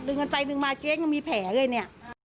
ดึงกันใจดึงมาเจ๊ก็มีแผลเลย